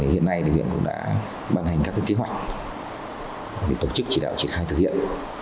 hiện nay huyện cũng đã bàn hành các kế hoạch để tổ chức chỉ đạo triển khai thực hiện